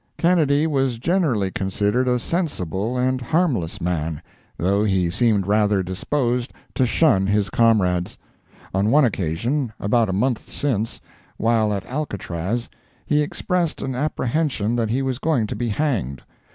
Kennedy was generally considered a sensible and harmless man, though he seemed rather disposed to shun his comrades. On one occasion, about a month since, while at Alcatraz, he expressed an apprehension that he was going to be hanged.